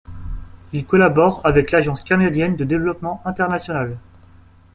Il collabore avec l'agence canadienne de développement international.